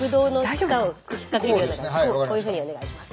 こういうふうにお願いします。